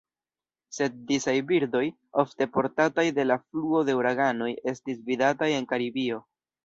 Sed disaj birdoj, ofte portataj de la fluo de uraganoj, estis vidataj en Karibio.